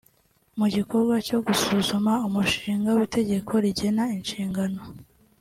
Mu gikorwa cyo gusuzuma umushinga w’itegeko rigena inshingano